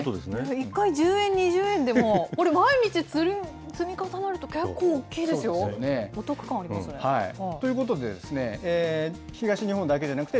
１回１０円、２０円でも、これ、毎日積み重なると結構大きいですよ。ということでですね、東日本だけじゃなくて、